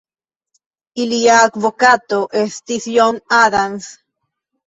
Ilia advokato estis John Adams.